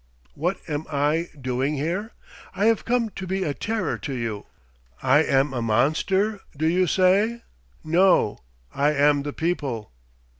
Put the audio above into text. "What am I doing here? I have come to be a terror to you! I am a monster, do you say? No! I am the people!